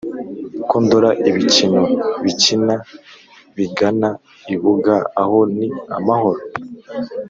Ko ndora ibikino bikina bigana ibuga Aho ni amahoro ?